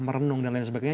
merenung dan lain sebagainya